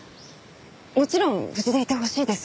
もちろん無事でいてほしいです。